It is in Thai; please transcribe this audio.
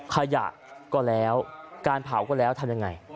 ขยะก็แล้วการเผาก็แล้วทำยังไง